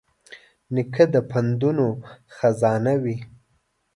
نیکه د پندونو خزانه وي.